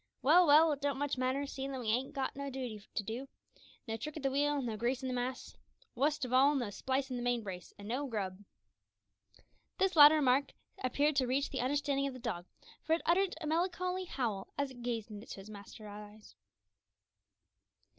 Well, well, it don't much matter, seein' that we hain't got no dooty for to do no trick at the wheel, no greasin' the masts wust of all, no splicin' the main brace, and no grub." This latter remark appeared to reach the understanding of the dog, for it uttered a melancholy howl as it gazed into its master's eyes.